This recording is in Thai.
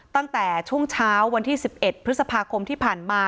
ตั้งแต่ช่วงเช้าวันที่๑๑พฤษภาคมที่ผ่านมา